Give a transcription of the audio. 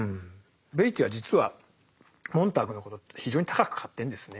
ベイティーは実はモンターグのことを非常に高く買ってんですね。